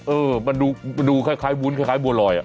เออมันดูคล้ายวุ้นคล้ายบัวลอย